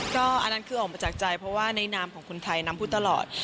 ก็อันนั้นคือออกมาจากใจเพราะว่าในนามของคนไทยน้ำพูดตลอด